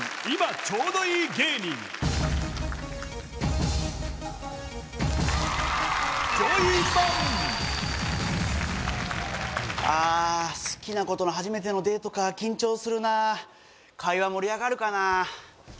今ちょうどいい芸人ああ好きな子との初めてのデートか緊張するな会話盛り上がるかなあ